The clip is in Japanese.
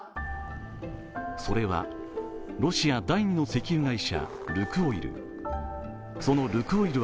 それはロシア第２の石油会社ルクオイル。